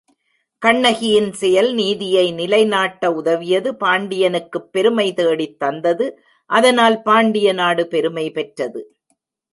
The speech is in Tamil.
கண்ணகியின் செயல் நீதியை நிலைநாட்ட உதவியது பாண்டியனுக்குப் பெருமை தேடித் தந்தது அதனால் பாண்டிய நாடு பெருமை பெற்றது.